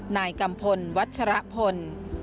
นายกัมพลวัชรพล